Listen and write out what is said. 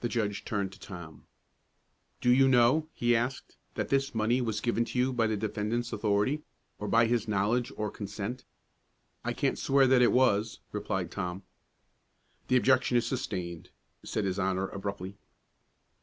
The judge turned to Tom. "Do you know," he asked, "that this money was given to you by the defendant's authority, or by his knowledge or consent?" "I can't swear that it was," replied Tom. "The objection is sustained," said his Honor, abruptly.